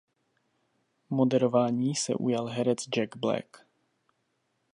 Moderování se ujal herec Jack Black.